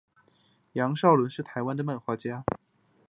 杨邵伦是台湾的漫画家。